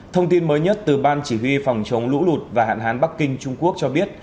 thông tin mới nhất từ ban chỉ huy phòng chống lũ lụt và hạn hán bắc kinh trung quốc cho biết